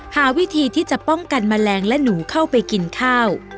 หาวิธีที่จะป้องกันแมลงและหนูเข้าไปกินข้าว